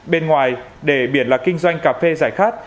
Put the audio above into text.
bên ngoài để biển là kinh doanh cà phê giải khát